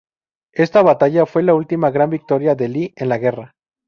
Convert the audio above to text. Esta batalla fue la última gran victoria de Lee en la guerra.